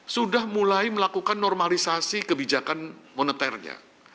sudah mulai melakukan normalisasi kebijakan moneternya